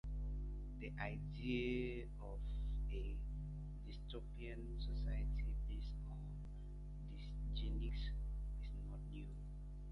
The idea of a dystopian society based on dysgenics is not new.